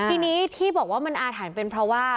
ทีนี้ที่บอกว่ามันอาถรรพ์เป็นเพราะว่า